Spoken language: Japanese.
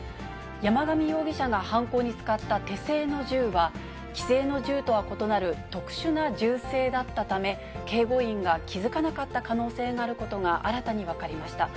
山上容疑者が犯行に使った手製の銃は、既成の銃とは異なる特殊な銃声だったため、警護員が気付かなかった可能性があることが、新たに分かりました。